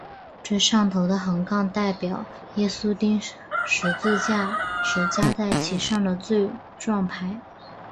最上头的横杠代表耶稣钉十字架时加在其上的罪状牌。